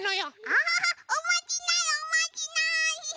アハハおまじないおまじない。